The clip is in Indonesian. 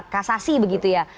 kasasi begitu ya